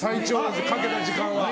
かけた時間は。